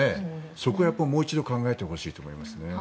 そこをもう一度考えてほしいと思いますね。